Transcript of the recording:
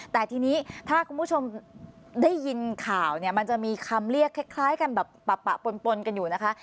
แต่ทีนี้ถ้าคุณผู้ชมได้ยินข่าวเนี่ยมันจะมีคำเรียกคล้ายกันแบบปะปนกันอยู่นะคะ